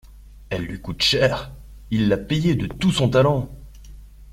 Elle lui coûte cher : il l'a payée de tout son talent.